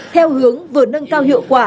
theo hướng vừa nâng cao hiệu quả